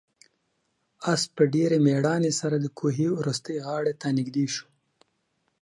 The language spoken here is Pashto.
آس په ډېرې مېړانې سره د کوهي وروستۍ غاړې ته نږدې شو.